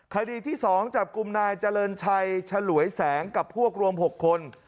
คดีที่๒จับกลุ่มนายเจริญชัยฉลวยแสงกับพวกรวม๖คน